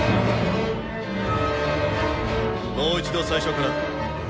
もう一度最初から。